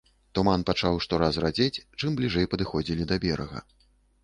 Туман пачаў штораз радзець, чым бліжэй падыходзілі да берага.